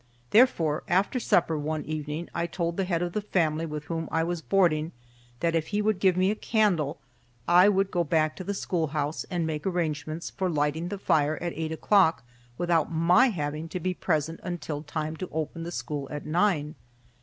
Therefore, after supper one evening I told the head of the family with whom I was boarding that if he would give me a candle I would go back to the schoolhouse and make arrangements for lighting the fire at eight o'clock, without my having to be present until time to open the school at nine.